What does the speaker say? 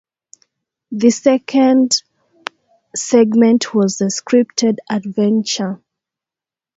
The second segment was the scripted adventure.